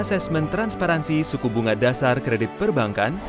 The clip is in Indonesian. assessment transparansi suku bunga dasar kredit perbankan